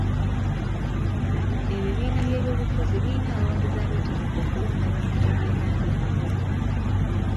Ebibiina by'ebyobufuzi birina abawagizi abeetegefu okulonda bannabibiina byabwe.